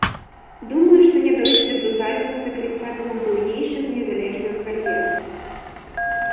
Думаю, што не дойдзе да брутальнага закрыцця двух буйнейшых незалежных газет.